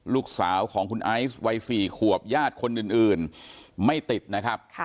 ลูกสาวของคุณไอซ์วัย๔ขวบญาติคนอื่นไม่ติดนะครับ